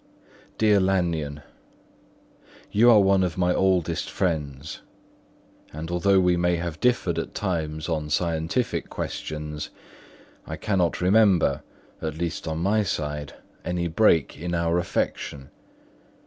"Dear Lanyon,—You are one of my oldest friends; and although we may have differed at times on scientific questions, I cannot remember, at least on my side, any break in our affection.